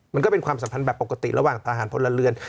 มันก็เป็นความสัมพันธ์แบบปกติระหว่างทหารพลเรือน